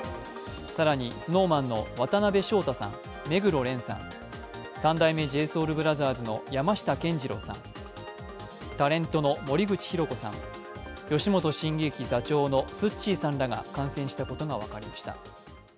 更に、ＳｎｏｗＭａｎの渡辺翔太さん目黒蓮さん、三代目ＪＳｏｕｌＢｒｏｔｈｅｒｓの山下健二郎さん、タレントの森口博子さん、吉本新喜劇座長のすっちーさんらが感染したことが分かりました。